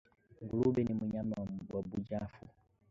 Ngulube ni nyama wa buchafu